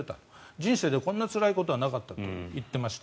人生でこんなにつらいことはなかったと言っていました。